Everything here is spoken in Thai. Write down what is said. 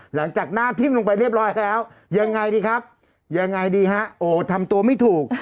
หลังจากหน้าทิ้มลงไปเรียบร้อยแล้วยังไงดีครับยังไงดีฮะโอ้ทำตัวไม่ถูก